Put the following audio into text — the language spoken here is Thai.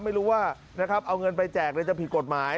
ไม่รู้ว่านะครับเอาเงินไปแจกจะผิดกฎหมาย